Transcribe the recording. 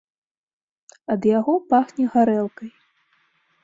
Ад яго пахне гарэлкай.